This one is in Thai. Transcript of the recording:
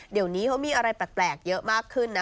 เดี๋ยวนี้เขามีอะไรแปลกเยอะมากขึ้นนะ